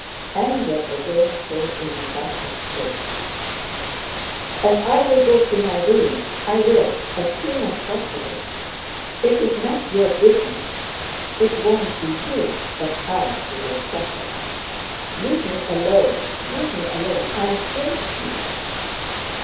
Anger again showed in Natásha's face. "And I'll go to my ruin, I will, as soon as possible! It's not your business! It won't be you, but I, who'll suffer. Leave me alone, leave me alone! I hate you!"